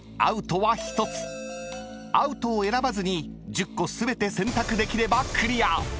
［アウトを選ばずに１０個全て選択できればクリア］